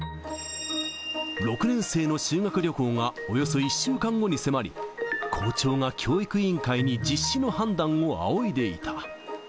６年生の修学旅行がおよそ１週間後に迫り、校長が教育委員会に実施の判断を仰いでいた。